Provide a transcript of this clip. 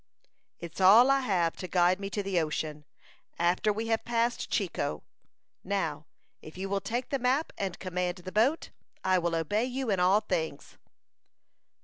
"It's all I have to guide me to the ocean, after we have passed Chicot. Now, if you will take the map, and command the boat, I will obey you in all things."